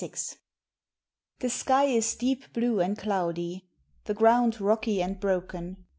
The sky is deep blue and cloudy, the ground rocky and broken.